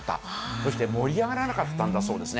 そして盛り上がらなかったんだそうですね。